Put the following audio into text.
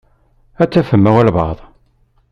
Ad tafem walebɛaḍ.